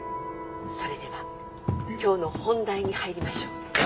それでは今日の本題に入りましょう。